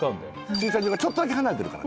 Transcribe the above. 駐車場がちょっとだけ離れてるから。